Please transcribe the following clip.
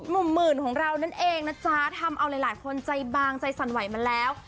หมื่นของเรานั่นเองนะจ๊ะทำเอาหลายคนใจบางใจสั่นไหวมาแล้ว